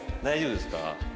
大丈夫ですか？